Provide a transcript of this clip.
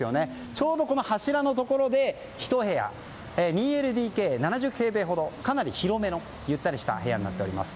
ちょうど柱のところでひと部屋２ＬＤＫ７０平米ほどかなり広めのゆったりした部屋です。